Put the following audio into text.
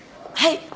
はい！